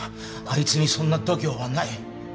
あいつにそんな度胸はない。